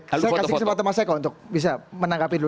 saya kasih kesempatan mas eko untuk bisa menanggapi dulu